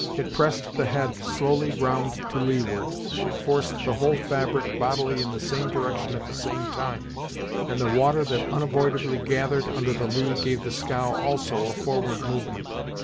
It pressed the head slowly round to leeward, it forced the whole fabric bodily in the same direction at the same time, and the water that unavoidably gathered under the lee gave the scow also a forward movement.